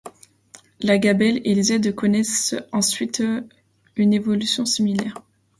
La gabelle et les aides connaissent ensuite une évolution similaire.